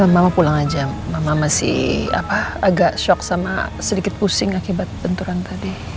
mama pulang aja mama masih agak shock sama sedikit pusing akibat benturan tadi